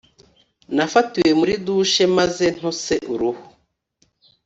nafatiwe muri douche maze ntose uruhu.